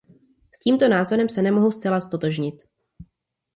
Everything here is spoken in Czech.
S tímto názorem se nemohu zcela ztotožnit.